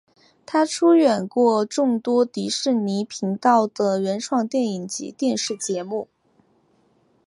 他出演过众多迪士尼频道的原创电影及电视节目。